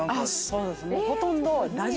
そうです。